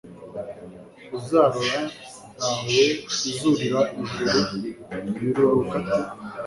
Uzarora ntawe uzurira ijuru Yururuka ate ?